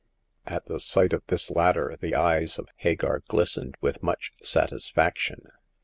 At the sight of this latter the eyes of Hagar glistened with much satisfaction.